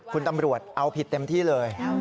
คุณตำรวจเอาผิดเต็มที่เลย